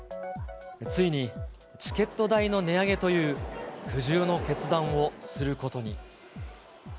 ついにチケット代の値上げという、苦渋の決断をすることに。